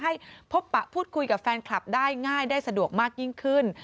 ให้พบปะพูดคุยกับแฟนคลับได้ง่ายได้สะดวกมากยิ่งขึ้น